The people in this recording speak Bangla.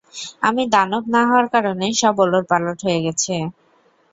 আমি দানব না হওয়ার কারণে সব ওলটপালট হয়ে গেছে।